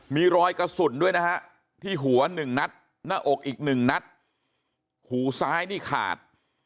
มีรอยกระสุนด้วยนะฮะที่หัวหนึ่งนัดหน้าอกอีกหนึ่งนัดหูซ้ายนี่ขาด